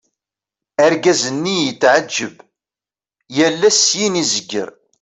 Argaz-nni yetɛeğğeb, yal ass syin i zegger.